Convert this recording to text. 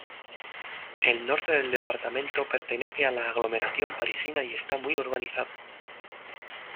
El norte del departamento pertenece a la aglomeración parisina y está muy urbanizado.